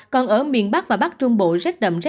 còn ở miền bắc và bắc trung bộ rất đậm rất khá